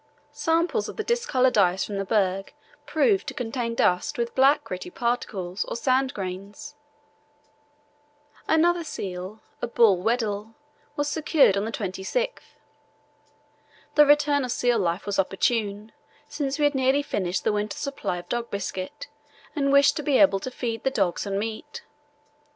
Samples of the discoloured ice from the berg proved to contain dust with black gritty particles or sand grains. Another seal, a bull Weddell, was secured on the 26th. The return of seal life was opportune, since we had nearly finished the winter supply of dog biscuit and wished to be able to feed the dogs on meat.